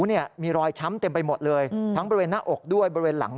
เนี่ยมีรอยช้ำเต็มไปหมดเลยทั้งบริเวณหน้าอกด้วยบริเวณหลัง